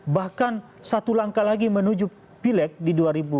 bahkan satu langkah lagi menuju pilek di dua ribu sembilan belas